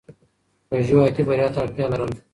پژو حیاتي بریا ته اړتیا لرله.